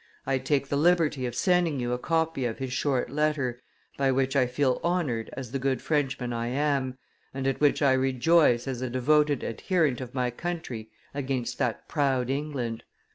I take the liberty of sending you a copy of his short letter, by which I feel honored as the good Frenchman I am, and at which I rejoice as a devoted adherent of my country against that proud England.